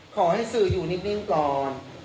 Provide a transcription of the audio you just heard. ขอให้สื่ออยู่นิ่งก่อน